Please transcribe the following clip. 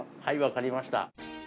はいわかりました。